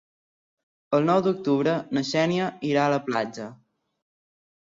El nou d'octubre na Xènia irà a la platja.